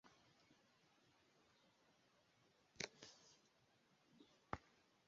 Ŝiaj grandaj humidaj okuloj fiksrigardis min kaj nesenteble mi dronis en ilia profundeco.